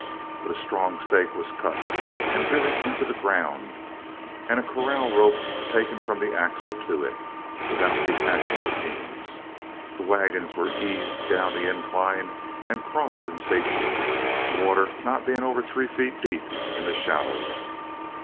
But a strong stake was cut and driven into the ground, and a corral rope taken from the axle to it; without detaching the teams, the wagons were eased down the incline and crossed in safety, the water not being over three feet deep in the shallows.